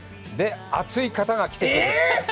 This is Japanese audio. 熱い方が来てくれました！